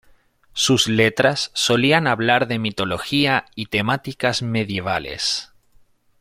Sus letras solían hablar de mitología y temáticas medievales.